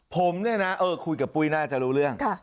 ผมเนี่ยนะคุยกับปุ้ยน่าจะรู้เรื่อง